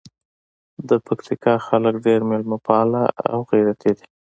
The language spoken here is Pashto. د پکتیکا خلګ ډېر میلمه پاله او غیرتي دي.